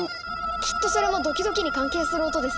きっとそれもドキドキに関係する音ですね。